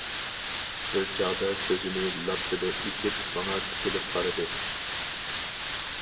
بىر چاغدا كۆزىنى لاپپىدە ئېچىپ، ماڭا تىكىلىپ قارىدى.